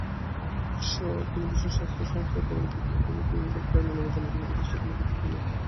তিনি বিশ্ব স্বাস্থ্য সংস্থার পরবর্তীকালে তিনি ক্লিনিকাল ট্রায়াল অনুমোদনের জন্য উপদেষ্টা কমিটিতেও ছিলেন।